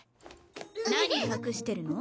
何隠してるの？